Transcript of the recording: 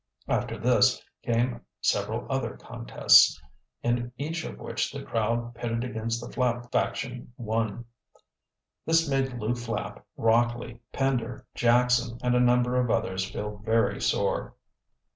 After this came several other contests, in each of which the crowd pitted against the Flapp faction won. This made Lew Flapp, Rockley, Pender, Jackson and a number of others feel very sore.